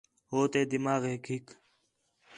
ہو تے دماغیک ہِک